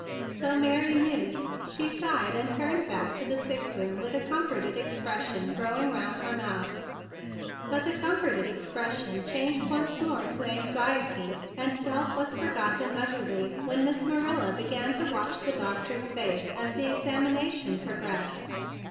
So Mary knew! She sighed, and turned back to the sick room with a comforted expression growing round her mouth. But the comforted expression changed once more to anxiety, and self THE BIG BLUE SOLDIER 141 was forgotten utterly when Miss Ma¬ nila began to watch the doctor's face as the examination progressed.